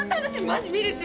マジ見るし。